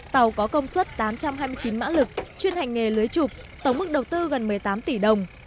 tàu có công suất tám trăm hai mươi chín mã lực chuyên hành nghề lưới trục tổng mức đầu tư gần một mươi tám tỷ đồng